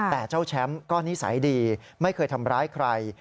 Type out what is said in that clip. แต่เจ้าแชมป์ก็นิสัยดีไม่เคยทำร้ายใคร